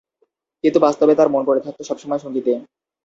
কিন্তু বাস্তবে তার মন পড়ে থাকত সবসময় সঙ্গীতে।